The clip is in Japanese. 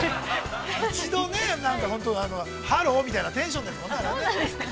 一度、なんか、ハローみたいな、テンションですもんね。